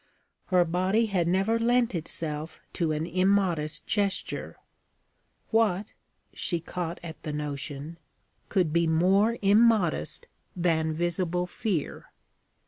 Her body had never lent itself to an immodest gesture; what she caught at the notion could be more immodest than visible fear?